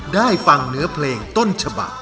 ได้ฟังเนื้อเพลงต้นฉบัก